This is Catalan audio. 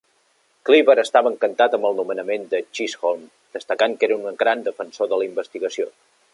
Cleaver estava encantat amb el nomenament de Chisholm destacant que era un gran defensor de la investigació.